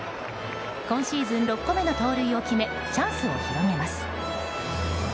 今シーズン６個目の盗塁を決めチャンスを広げます。